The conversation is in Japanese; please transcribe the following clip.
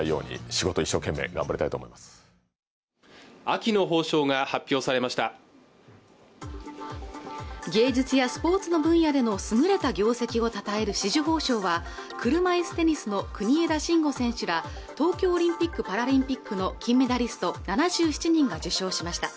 秋の褒章が発表されました芸術やスポーツの分野での優れた業績を称える紫綬褒章は車いすテニスの国枝慎吾選手ら東京オリンピック・パラリンピックの金メダリスト７７人が受章しました